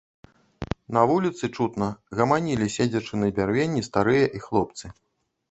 На вуліцы, чутна, гаманілі, седзячы на бярвенні, старыя і хлопцы.